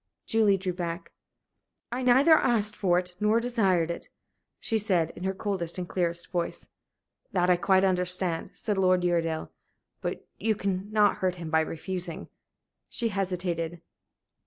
Julie drew back. "I neither asked for it nor desired it," she said, in her coldest and clearest voice. "That I quite understand," said Lord Uredale. "But you cannot hurt him by refusing." She hesitated.